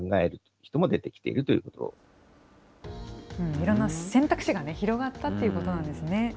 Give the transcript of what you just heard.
いろんな選択肢が広がったということなんですね。